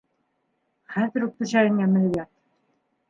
Хәҙер үк түшәгеңә менеп ят!